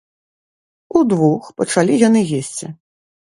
Удвух пачалі яны есці.